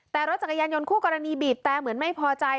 แต่รถจักรยานยนต์คู่กรณีบีบแต่เหมือนไม่พอใจ